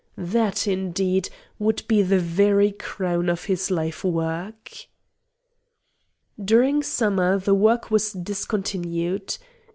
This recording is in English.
That, indeed, would be the very crown of his life work! During summer the work was discontinued.